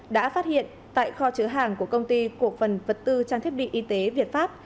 đã phát hiện tại kho chứa hàng của công ty cổ phần vật tư trang thiết bị y tế việt pháp